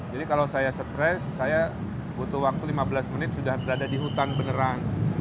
jadi kalau saya terkesan saya butuh waktu lima belas menit sudah berada di hutan beneran